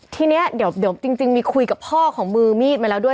ทีนี้เดี๋ยวจริงมีคุยกับพ่อของมือมีดมาแล้วด้วย